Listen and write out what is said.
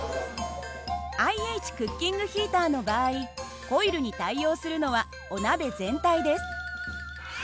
ＩＨクッキングヒーターの場合コイルに対応するのはお鍋全体です。